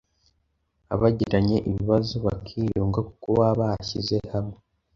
abagiranye ibibazo bakiyunga kuko baba bashyize hamwe.